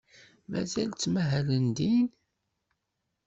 Mazal ttmahalen din?